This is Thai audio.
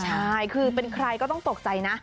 ใช่คือเป็นใครก็ต้องตกใจนะ